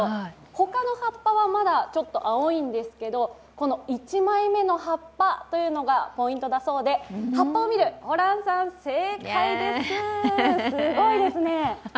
他の葉っぱはまだちょっと青いんですけどこの１枚目の葉っぱというのがポイントだそうで、葉っぱを見る、ホランさん、正解です、すごいですね。